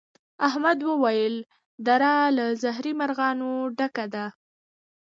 احمد وويل: دره له زهري مرغانو ډکه ده.